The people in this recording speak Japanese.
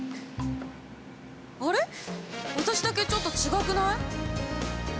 私だけちょっと違くない？